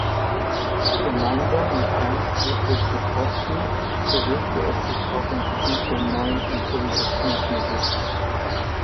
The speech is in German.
Gemeinsam mit Ernst-Ludwig Petrowsky bewegte es sich auch im Gebiet der Neuen Improvisationsmusik.